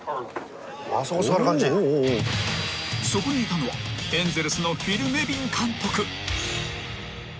［そこにいたのはエンゼルスのフィル・ネビン監督］